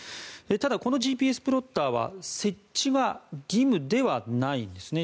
ただ、このＧＰＳプロッターは設置は義務ではないんですね。